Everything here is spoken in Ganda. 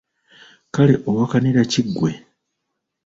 Kale owakanira ki ggwe!